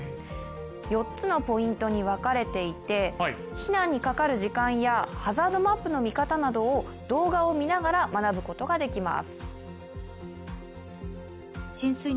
４つのポイントに分かれていて、避難にかかる時間やハザードマップの見方などを動画を見ながら学ぶことができます。